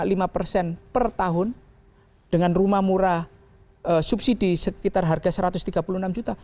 dan itu dibuat per tahun dengan rumah murah subsidi sekitar harga satu ratus tiga puluh enam juta